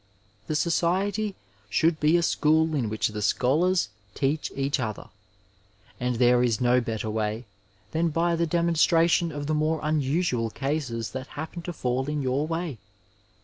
The society should be a school in which the scholars teach each other, and there is no better way than by the demonstration of the more unusual cases that happen to &I1 in your way.